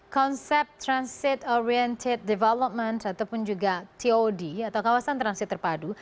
konsep transit oriented development ataupun juga tod atau kawasan transit terpadu